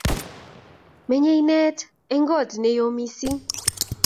Menyei inet eng kot neyo missing